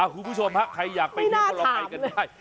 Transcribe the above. คุณผู้ชมครับใครอยากไปเลี้ยงกับเราไปกันได้